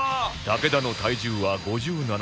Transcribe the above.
武田の体重は５７キロ